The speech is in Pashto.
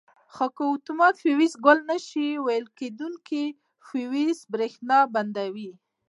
خو که اتومات فیوز ګل نه شي ویلې کېدونکي فیوز برېښنا بندوي.